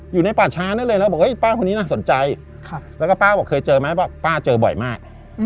อยู่ในป่าช้านั่นเลยนะบอกป้าคนนี้น่าสนใจแล้วก็ป้าบอกเคยเจอไหมป้าเจอบ่อยมาก